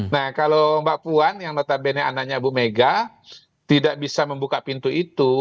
nah kalau mbak puan yang notabene anaknya ibu mega tidak bisa membuka pintu itu